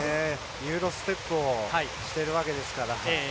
ユーロステップをしていますから。